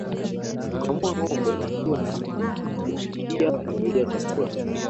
Kukamua ngombe maziwa na kupikia familia chakula